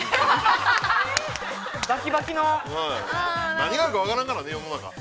何があるか分からんからね、世の中。